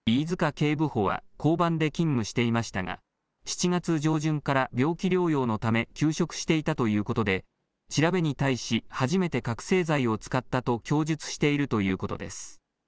警部補は交番で勤務していましたが７月上旬から病気療養のため休職していたということで調べに対し初めて覚醒剤を使ったと供述しているということです。